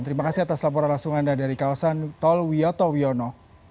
terima kasih atas laporan langsung anda dari kawasan tol wiyoto wiono